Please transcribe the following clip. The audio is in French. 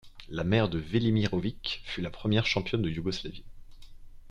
La mère de Velimirović fut la première championne de Yougoslavie.